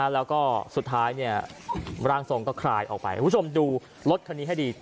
แล้วก็สุดท้ายร่างทรงก็คลายออกไปคุณผู้ชมดูรถคันนี้ให้ดี